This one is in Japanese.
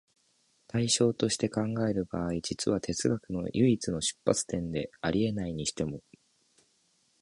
対象として考える場合、現実は哲学の唯一の出発点であり得ないにしても、